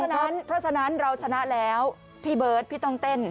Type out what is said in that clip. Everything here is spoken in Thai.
เพราะฉะนั้นเราชนะแล้วพี่เบิร์ตพี่ต้องเต้น